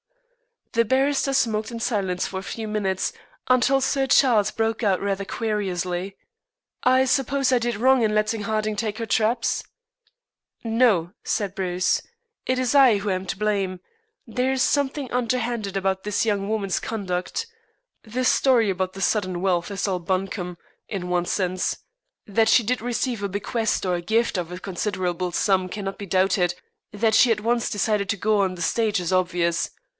The barrister smoked in silence for a few minutes, until Sir Charles broke out rather querulously: "I suppose I did wrong in letting Harding take her traps?" "No," said Bruce. "It is I who am to blame. There is something underhanded about this young woman's conduct. The story about the sudden wealth is all bunkum, in one sense. That she did receive a bequest or gift of a considerable sum cannot be doubted. That she at once decided to go on the stage is obvious.